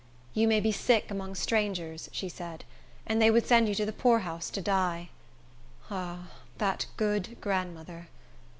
"You may be sick among strangers," she said, "and they would send you to the poorhouse to die." Ah, that good grandmother!